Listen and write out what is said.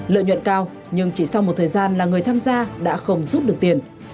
lợi nhuận cao nhưng chỉ sau một thời gian là người tham gia đã không rút được tiền